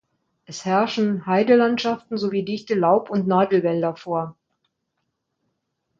Es herrschen Heidelandschaften sowie dichte Laub- und Nadelwälder vor.